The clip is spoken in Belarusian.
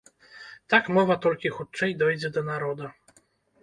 Так мова толькі хутчэй дойдзе да народа.